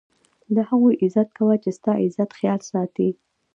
د هغو عزت کوه، چي ستا دعزت خیال ساتي.